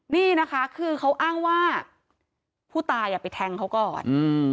นี่นะคะคือเขาอ้างว่าผู้ตายไปแทงเขาก่อน